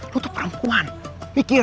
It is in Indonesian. lo tuh perempuan pikir